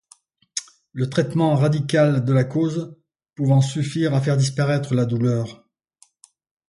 Le traitement radical de la cause pouvant suffire à faire disparaître la douleur.